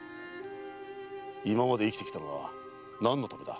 今まで生きてきたのは何のためだ？